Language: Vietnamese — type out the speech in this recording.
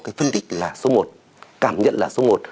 cái phân tích là số một cảm nhận là số một